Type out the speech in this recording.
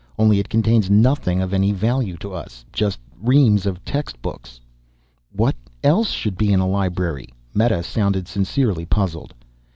Only it contains nothing of any value to us. Just reams of textbooks." "What else should be in a library?" Meta sounded sincerely puzzled.